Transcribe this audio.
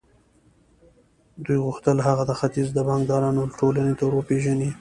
دوی غوښتل هغه د ختيځ د بانکدارانو ټولنې ته ور وپېژني.